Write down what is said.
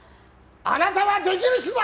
あなたはできる人だ！